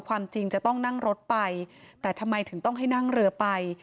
ความจริงจะต้องนั่งรถไปแต่ทำไมถึงต้องให้นั่งเรือไป